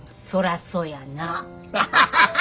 そらそやな。